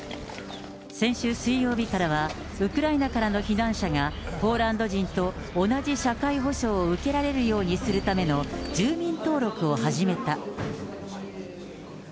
先週水曜日からは、ウクライナからの避難者がポーランド人と同じ社会保障を受けられるようにするための住民登録を始めた。